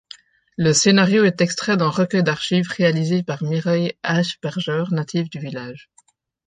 Le scénario est extrait d'un recueil d'archives réalisé par Mireille H-Berger native du village.